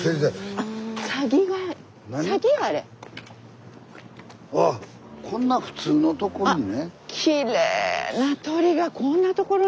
あっこんな普通のとこにね。